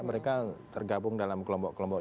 mereka tergabung dalam kelompok kelompok